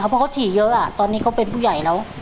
เพราะเขาถี่เยอะตอนนี้เขาเป็นผู้ใหญ่แล้ว